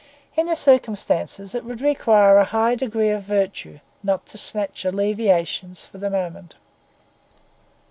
In the circumstances, it would require a high degree of virtue not to snatch alleviations for the moment.